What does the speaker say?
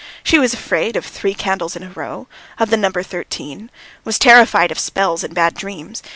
She was afraid of three candles in a row, of the number thirteen, was terrified of spells and bad dreams.